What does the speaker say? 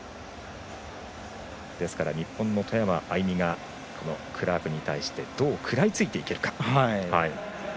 日本の外山愛美がクラークに対してどう食らいついていけるか。